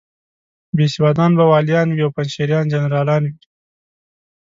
بېسوادان به والیان وي او پنجشیریان جنرالان وي.